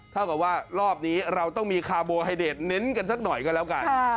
เท่ากับว่ารอบนี้เราต้องมีคาร์โบไฮเดทเน้นกันสักหน่อยก็แล้วกัน